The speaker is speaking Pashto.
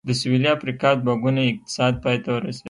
د سوېلي افریقا دوه ګونی اقتصاد پای ته ورسېد.